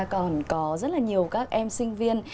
còn có rất là nhiều các em sinh viên